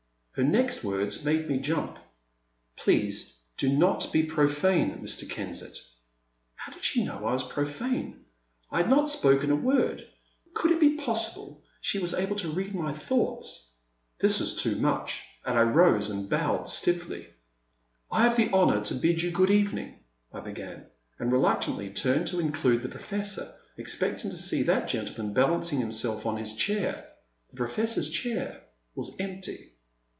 Her next words made me jump. Please do not be profane, Mr. Kensett." How did she know I was profane ? I had not spoken a word ! Could it be possible she was r' The Man at the Next Table. 3 7 1 able to read my thoughts ? This was too much, and I rose and bowed stiffly. I have the honour to bid you good evening, I began, and reluctantly turned to include the Professor, expecting to see that gentleman balanc ing himself on his chair. The Professor* s chair was empty.